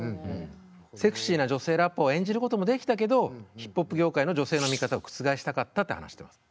セクシーな女性ラッパーを演じることもできたけどヒップホップ業界の女性の見方を覆したかったって話してます。